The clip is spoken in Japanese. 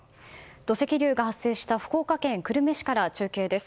土石流が発生した福岡県久留米市から中継です。